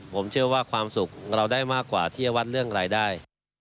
ผมเชื่อว่าความสุขเราได้มากกว่าที่จะวัดเรื่องรายได้